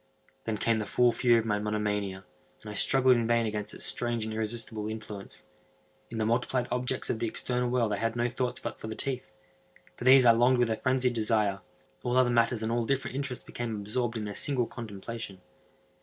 Then came the full fury of my monomania, and I struggled in vain against its strange and irresistible influence. In the multiplied objects of the external world I had no thoughts but for the teeth. For these I longed with a phrenzied desire. All other matters and all different interests became absorbed in their single contemplation.